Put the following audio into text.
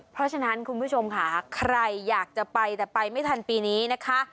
เพราะฉะนั้นคุณผู้ชมค่ะใครอยากจะไปแต่ไปไม่ทันปีนี้นะคะ